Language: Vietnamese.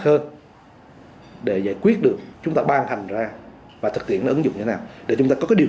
hơn để giải quyết được chúng ta ban hành ra và thực tiễn nó ứng dụng như thế nào để chúng ta có cái điều